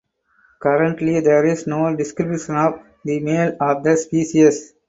Currently there is no description of the male of the species.